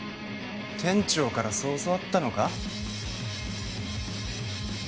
店長からそう教わったのか？